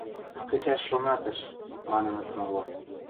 Кӹчӓш шонатыш... – маныныт моло.